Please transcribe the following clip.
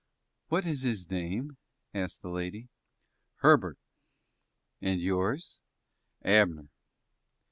"What is his name?" asked the lady. "Herbert." "And yours?" "Abner."